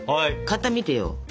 型見てよ。